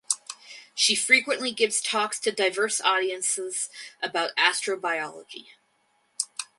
She frequently gives talks to diverse audiences about astrobiology.